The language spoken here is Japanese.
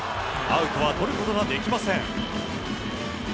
アウトはとることができません。